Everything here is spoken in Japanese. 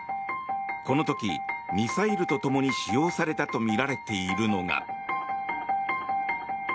この時、ミサイルとともに使用されたとみられているのが。